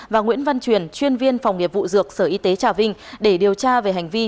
và nguyễn văn truyền chuyên viên phòng nghiệp vụ dược sở y tế trà vinh để điều tra về hành vi